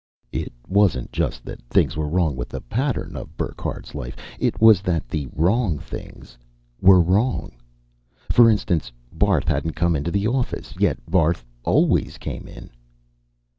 It wasn't just that things were wrong with the pattern of Burckhardt's life; it was that the wrong things were wrong. For instance, Barth hadn't come into the office, yet Barth always came in.